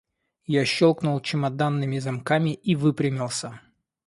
Я щелкнул чемоданными замками и выпрямился.